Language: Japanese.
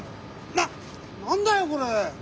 な何だよこれ！